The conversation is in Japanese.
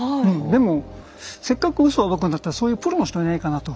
でもせっかくウソを暴くんだったらそういうプロの人いないかなと。